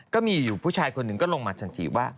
ก็มีอยู่ผู้ชายคนหนึ่งก็ลงมาทันทีว่า